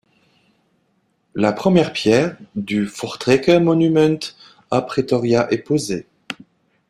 La première pierre du Voortrekker Monument à Pretoria est posée.